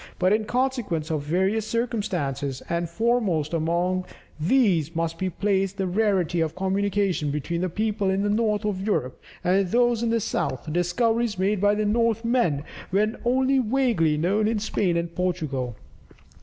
But in consequence of various circumstances, and foremost among these must be placed the rarity of communication between the people in the north of Europe and those in the south, the discoveries made by the Northmen were only vaguely known in Spain and Portugal.